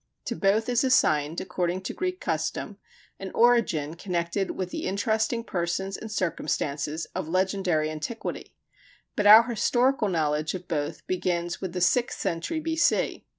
To both is assigned, according to Greek custom, an origin connected with the interesting persons and circumstances of legendary antiquity; but our historical knowledge of both begins with the sixth century B.C.